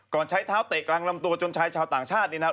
ใช้เท้าเตะกลางลำตัวจนชายชาวต่างชาตินี่นะครับ